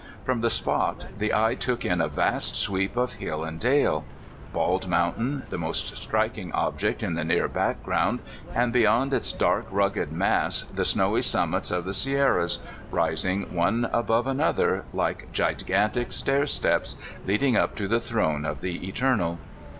From the spot the eye took in a vast sweep of hill and dale: Bald Mountain, the most striking ob ject in the near background, and beyond its dark, ruo ged mass the snowy summits of the Sierras, rising one above another, hke gigantic stairsteps, leading up to the throne of the Eternal.